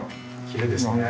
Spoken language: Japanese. きれいですね。